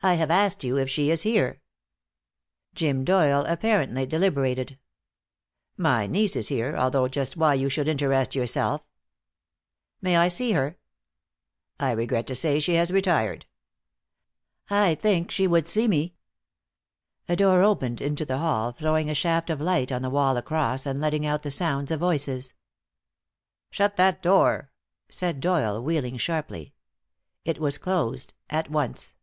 "I have asked you if she is here." Jim Doyle apparently deliberated. "My niece is here, although just why you should interest yourself " "May I see her?" "I regret to say she has retired." "I think she would see me." A door opened into the hall, throwing a shaft of light on the wall across and letting out the sounds of voices. "Shut that door," said Doyle, wheeling sharply. It was closed at once.